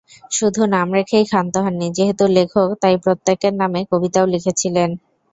শুধু নাম রেখেই ক্ষান্ত হননি, যেহেতু লেখক তাই প্রত্যকের নামে কবিতাও লিখেছিলেন।